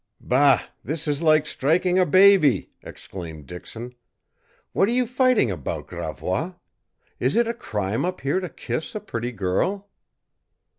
"Bah, this is like striking a baby!" exclaimed Dixon. "What are you fighting about, Gravois? Is it a crime up here to kiss a pretty girl?"